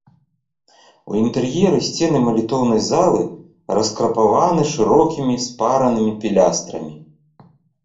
У інтэр'еры сцены малітоўнай залы раскрапаваны шырокімі спаранымі пілястрамі.